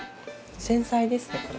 繊細ですねこれ。